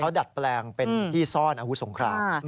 ดัดแปลงเป็นที่ซ่อนอาวุธสงคราม